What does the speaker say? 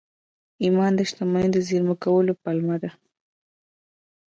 ایمان د شتمنۍ د زېرمه کولو پیلامه ده